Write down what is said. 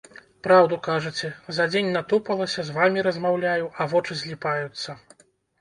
Праўду кажаце, за дзень натупалася, з вамі размаўляю, а вочы зліпаюцца.